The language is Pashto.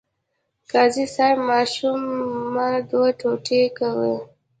قاضي صیب ماشوم مه دوه ټوټې کوئ.